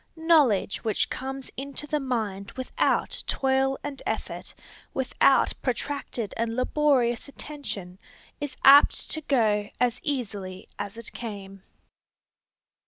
Knowledge which comes into the mind without toil and effort, without protracted and laborious attention, is apt to go as easily as it came.